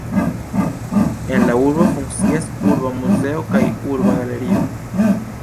En la urbo funkcias Urba muzeo kaj Urba galerio.